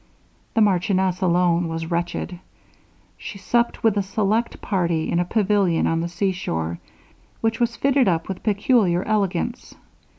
The marchioness alone was wretched. She supped with a select party, in a pavilion on the sea shore, which was fitted up with peculiar elegance.